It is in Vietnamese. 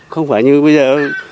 không phải như bây giờ